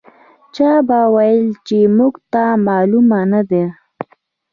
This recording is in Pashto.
چا به ویل چې موږ ته معلومه نه ده.